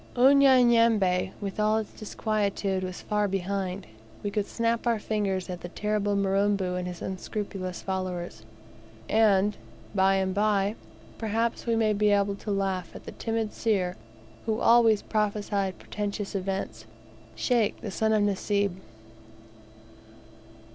Unyanyembe, with all its disquietude, was far behind. We could snap our fingers at that terrible Mirambo and his unscrupulous followers, and by and by, perhaps, we may be able to laugh at the timid seer who always prophesied portentous events Sheikh, the son of Nasib.